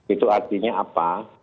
itu artinya apa